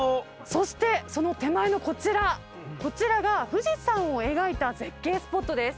そしてその手前のこちらこちらが富士山を描いた絶景スポットです。